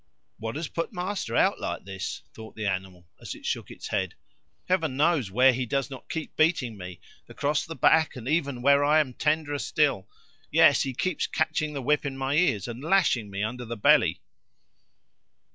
"What has put master out like this?" thought the animal as it shook its head. "Heaven knows where he does not keep beating me across the back, and even where I am tenderer still. Yes, he keeps catching the whip in my ears, and lashing me under the belly."